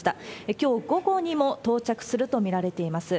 きょう午後にも到着すると見られています。